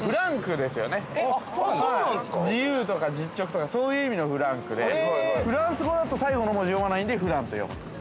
◆自由とか、実直とか、そういう意味のフランクでフランス語だと、最後の文字を読まないんフランと読む。